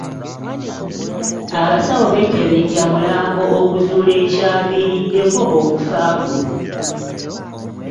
Abasawo beekebejja mulambo okuzuula ekyaviiriddeko okufa kwe.